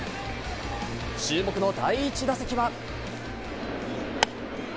注目の第１打席は。